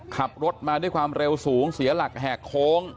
ขับรถมาด้วยความเร็วสูงเสียหลักแหกโค้ง